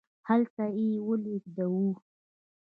هلته یې ولیږدوو.